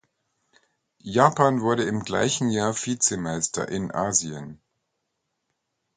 Japan wurde im gleichen Jahr Vizemeister in Asien.